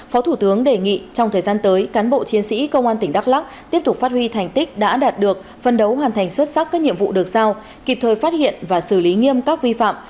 phó thủ tướng đề nghị trong thời gian tới cán bộ chiến sĩ công an tỉnh đắk lắc tiếp tục phát huy thành tích đã đạt được phân đấu hoàn thành xuất sắc các nhiệm vụ được sao kịp thời phát hiện và xử lý nghiêm các vi phạm